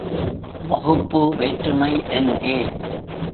வகுப்பு வேற்றுமை எங்கே?